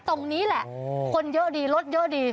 ตรงนี้แหละคนเยอะดีรถเยอะดี